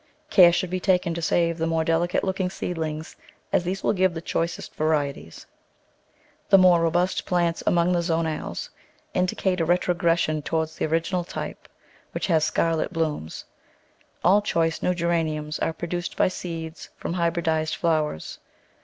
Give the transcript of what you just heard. Care should be taken to save the more delicate look ing seedlings, as these will give the choicest varieties; the more robust plants among the zonales indicate a retrogression toward the original type, which has scarlet blooms. All choice new Geraniums are pro duced by seeds from hybridised flowers.